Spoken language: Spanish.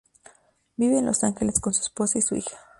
Vive en Los Ángeles con su esposa y su hija.